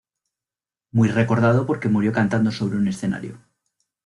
Muy recordado porque murió cantando sobre un escenario.